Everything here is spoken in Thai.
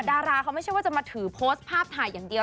ดาราเขาไม่ใช่ว่าจะมาถือโพสต์ภาพถ่ายอย่างเดียว